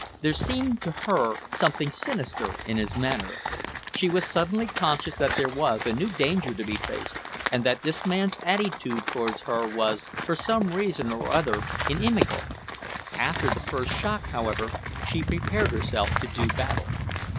There seemed to her something sinister in his manner. She was suddenly conscious that there was a new danger to be faced, and that this man's attitude towards her was, for some reason or other, inimical. After the first shock, however, she prepared herself to do battle.